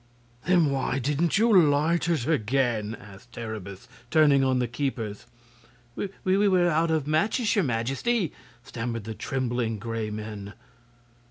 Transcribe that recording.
"Then why didn't you light it again?" asked Terribus, turning on the keepers. "We we were out of matches, your Majesty!" stammered the trembling Gray Men.